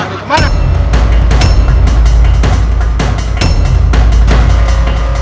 aboe batik batik